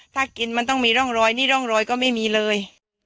ถ้ากินมันต้องมีร่องรอยนี่ร่องรอยก็ไม่มีเลย